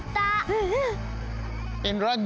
うんうん！